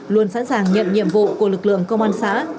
luôn sẵn sàng nhận nhiệm vụ của lực lượng công an xã